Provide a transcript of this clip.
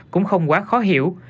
cũng không quá khó hiểu